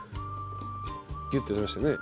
ギュッてなりましたね。